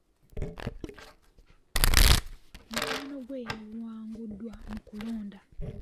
Mukwano gwe yawanguddwa mu kulonda.